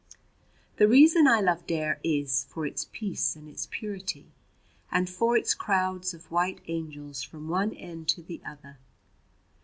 The reason I love Daire is For its peace and its purity, And for its crowds of white angels From one end to the other.